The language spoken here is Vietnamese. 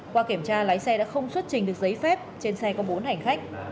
qua kiểm tra lái xe đã không xuất trình được giấy phép trên xe có bốn hành khách